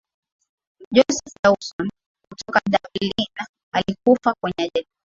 joseph dawson kutoka dublin alikufa kwenye ajali hiyo